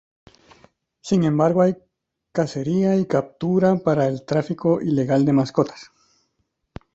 Sin embargo, hay cacería y captura para el tráfico ilegal de mascotas.